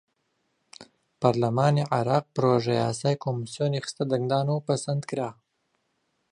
پەڕلەمانی عێراق پڕۆژەیاسای کۆمیسیۆنی خستە دەنگدانەوە و پەسەندکرا.